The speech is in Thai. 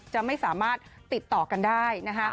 จะไม่สามารถติดต่อกันได้นะคะ